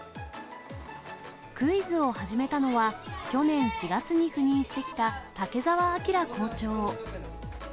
クイズを始めたのは、去年４月に赴任してきた竹澤昭校長。